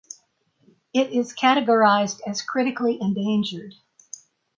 It is categorized as Critically Endangered.